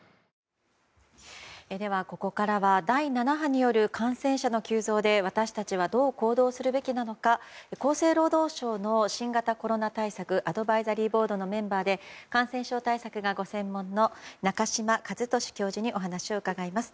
ここからは第７波による感染者の急増で私たちはどう行動するべきなのか厚生労働省の新型コロナ対策アドバイザリーボードのメンバーで感染症対策がご専門の中島一敏教授にお話を伺います。